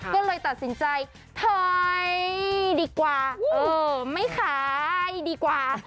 ก็เลยตัดสินใจถอยดีกว่าไม่ขายดีกว่า